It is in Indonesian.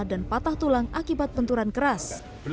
dan patah tulang akibat penturan keras